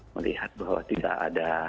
melihat bahwa tidak ada